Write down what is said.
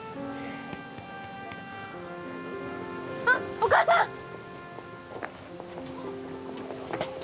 あっお母さん！